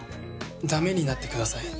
だめになってください。